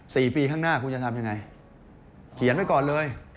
สี่ปีข้างหน้าคุณจะทำยังไงเขียนไว้ก่อนเลย